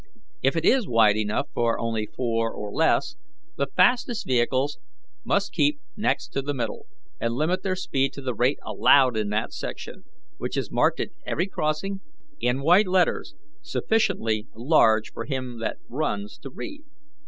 If it is wide enough for only four or less, the fastest vehicles must keep next the middle, and limit their speed to the rate allowed in that section, which is marked at every crossing in white letters sufficiently large for him that runs to read.